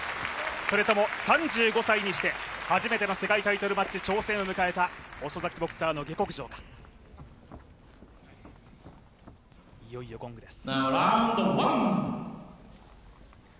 それとも３５歳にして初めての世界タイトルマッチ挑戦を迎えた遅咲きボクサーの下克上か、いよいよゴングです。